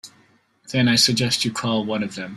Then I suggest you call one of them.